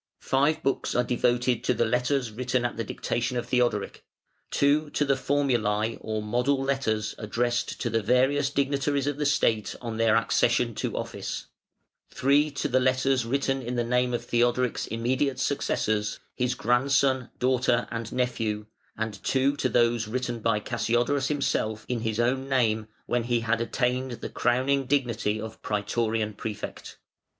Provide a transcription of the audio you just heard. Five books are devoted to the letters written at the dictation of Theodoric; two to the Formulæ or model letters addressed to the various dignitaries of the State on their accession to office; three to the letters written in the name of Theodoric's immediate successors (his grandson, daughter, and nephew); and two to those written by Cassiodorus himself in his own name when he had attained the crowning dignity of Prætorian Prefect.